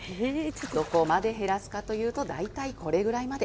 どこまで減らすかというと、大体これぐらいまで。